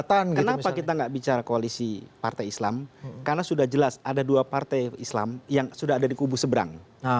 kenapa kita nggak bicara koalisi partai islam karena sudah jelas ada dua partai islam yang sudah ada di kubu seberang